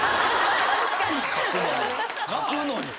書くのに。